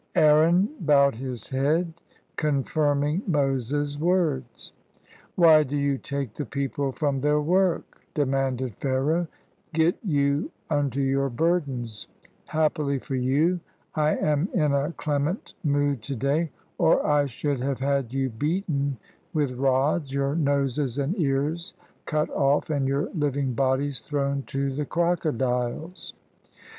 Aaron bowed his head, confirming Moses' words, "Why do you take the people from their work?" demanded Pharaoh. "Get you unto your burdens. Happily for you, I am in a clement mood to day, or I 137 EGYPT should have had you beaten with rods, your noses and ears cut off, and your living bodies thrown to the croco diles.